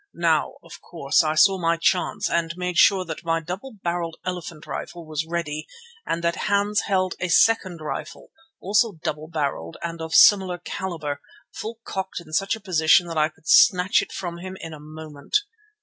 Now, of course, I saw my chance and made sure that my double barrelled elephant rifle was ready and that Hans held a second rifle, also double barrelled and of similar calibre, full cocked in such a position that I could snatch it from him in a moment.